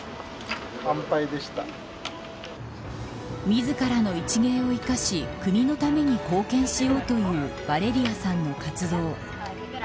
自らの一芸を生かし国のために貢献しようというバレリアさんの活動。